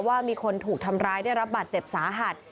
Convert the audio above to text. ว่ามีคนถูกทำร้ายได้รับบาดเจ็บสาหัส